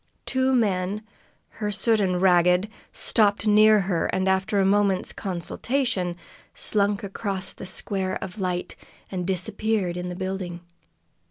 Two men, hirsute and ragged, stopped near her and, after a moments consultation, slunk across the square of light and disappeared in the building.